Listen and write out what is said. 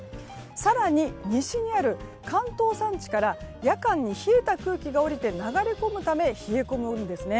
更に、西にある関東山地から夜間に冷えた空気が下りて流れ込むため冷え込むんですね。